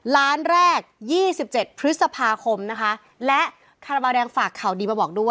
ล้านแรกยี่สิบเจ็ดพฤษภาคมนะคะและคาราบาลแดงฝากข่าวดีมาบอกด้วย